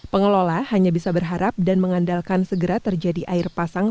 pengelola hanya bisa berharap dan mengandalkan segera terjadi air pasang